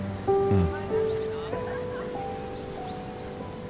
うん。